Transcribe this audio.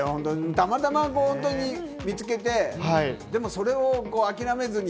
たまたま見つけてでもそれを諦めずに。